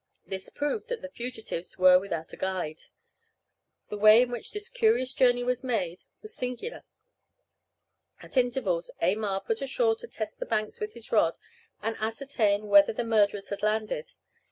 This proved that the fugitives were without a guide. The way in which this curious journey was made was singular. At intervals Aymar was put ashore to test the banks with his rod, and ascertain whether the murderers had landed.